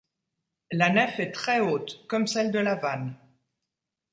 La nef est très haute comme celle de Lavannes.